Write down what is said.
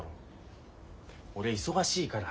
俺忙しいから。